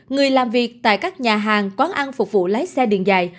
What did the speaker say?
người làm việc tại các nhà hàng quán ăn phục vụ lái xe đường dài